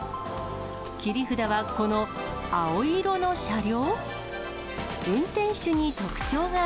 切り札はこの青色の車両？